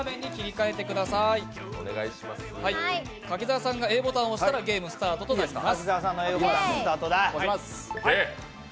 柿澤さんがＡボタンを押したらゲームスタートとなります。